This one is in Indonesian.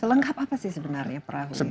selengkap apa sih sebenarnya perahu ini